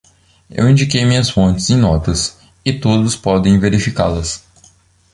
Eu indiquei minhas fontes em notas, e todos podem verificá-las.